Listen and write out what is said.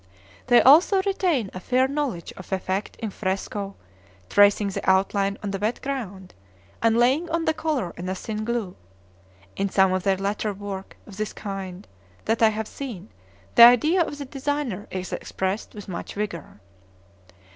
They also retain a fair knowledge of effect in fresco, tracing the outline on the wet ground, and laying on the color in a thin glue; in some of their later work of this kind that I have seen, the idea of the designer is expressed with much vigor.